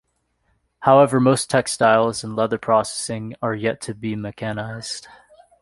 However, most textiles and leather processing are yet to be mechanized.